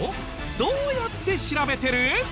どうやって調べてる？